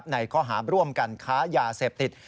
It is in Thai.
ในข้อหาร่วมกันค้ายาเสพติด